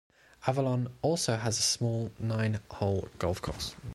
Avalon also has a small nine-hole golf course.